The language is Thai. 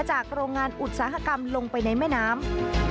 โรงงานอุตสาหกรรมลงไปในแม่น้ำ